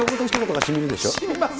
しみます。